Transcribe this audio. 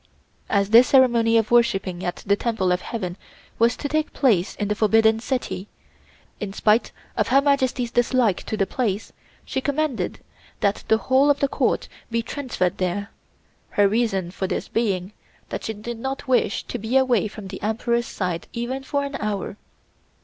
As this ceremony of worshiping at the Temple of Heaven was to take place in the Forbidden City, in spite of Her Majesty's dislike to the place, she commanded that the whole of the Court be transferred there, her reason for this being that she did not wish to be away from the Emperor's side even for an hour.